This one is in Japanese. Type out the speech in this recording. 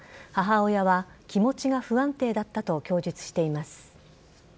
母親は気持ちが不安定だったと供述しています。